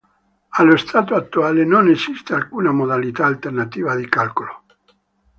Allo stato attuale, non esiste alcuna modalità alternativa di calcolo.